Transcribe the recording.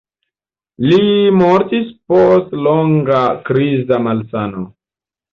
Li mortis post longa kriza malsano.